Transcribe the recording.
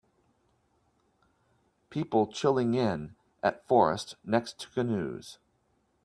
People chilling in at forest next to canoes.